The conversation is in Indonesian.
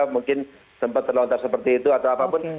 mungkin sempat terlontar seperti itu atau apapun